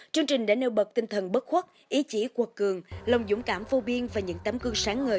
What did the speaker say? chương trình đã nêu bật tinh thần bất khuất ý chí cuột cường lòng dũng cảm phu biên và những tấm cương sáng ngời